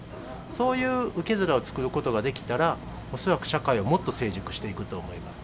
そういう受け皿を作ることができたら、恐らく社会はもっと成熟していくと思います。